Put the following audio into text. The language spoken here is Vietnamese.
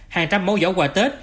hàng trăm mẫu giỏ quà tết